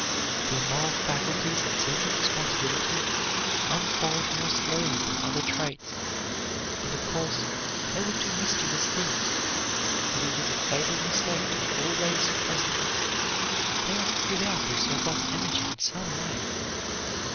Their moral faculties and sense of responsibility unfold more slowly than other traits, and of course, they will do mischievous things; but it is a fatal mistake to be always suppressing them. They must give out their surplus energy in some way.